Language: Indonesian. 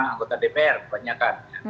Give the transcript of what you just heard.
anggota dpr banyak kan